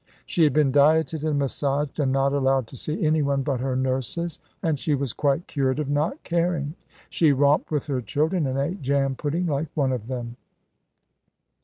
She had been dieted, and massaged, and not allowed to see anyone but her nurses; and she was quite cured of not caring. She romped with her children, and ate jam pudding like one of them."